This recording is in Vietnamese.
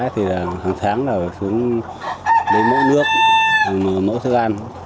thì hàng tháng là phải xuống đến mẫu nước mẫu thức ăn